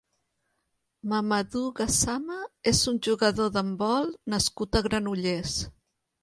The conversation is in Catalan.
Mamadou Gassama és un jugador d'handbol nascut a Granollers.